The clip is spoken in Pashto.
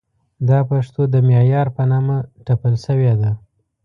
دا پښتو د معیار په نامه ټپل شوې ده.